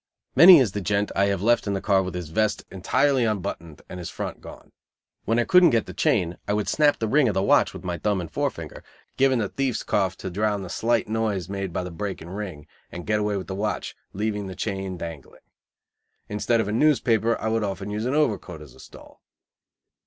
Many is the "gent" I have left in the car with his vest entirely unbuttoned and his "front" gone. When I couldn't get the chain, I would snap the ring of the watch with my thumb and fore finger, giving the thief's cough to drown the slight noise made by the breaking ring, and get away with the watch, leaving the chain dangling. Instead of a newspaper, I would often use an overcoat as a stall.